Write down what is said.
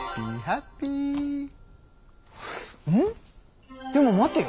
でも待てよ。